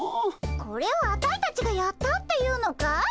これをアタイたちがやったっていうのかい？